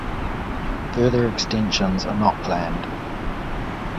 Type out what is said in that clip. Further extensions are not planned.